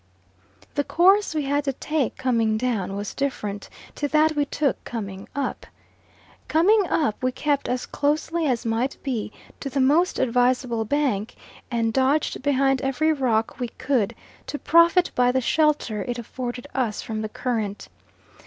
The course we had to take coming down was different to that we took coming up. Coming up we kept as closely as might be to the most advisable bank, and dodged behind every rock we could, to profit by the shelter it afforded us from the current.